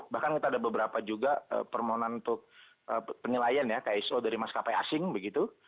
bahkan kita ada beberapa juga permohonan untuk penilaian ya kso dari maskapai asing begitu